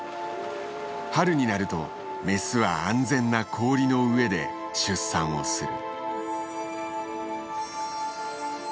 春になるとメスは安全な氷の上で出産をする。